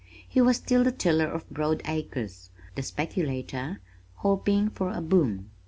He was still the tiller of broad acres, the speculator hoping for a boom.